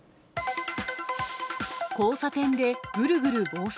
交差点でぐるぐる暴走。